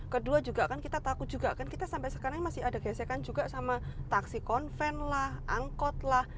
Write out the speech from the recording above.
kedua juga kan kita takut juga kan kita sampai sekarang masih ada gesekan juga sama taksi konven lah angkot lah